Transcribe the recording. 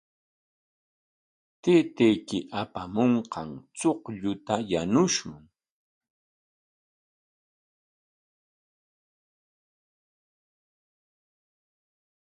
Taytayki apamunqan chuqlluta yanushun.